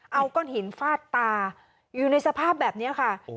เอาก้อนหินฟาดตาอยู่ในสภาพแบบนี้ค่ะ